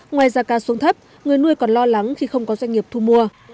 ngoài giá ca xuống thấp người nuôi còn lo lắng khi không có doanh nghiệp thu mua